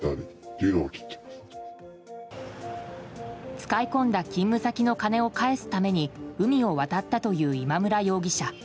使い込んだ勤務先の金を返すために海を渡ったという今村容疑者。